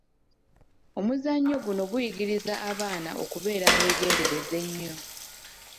Omuzannyo guno guyigiriza abaana okubeera abeegendereza ennyo.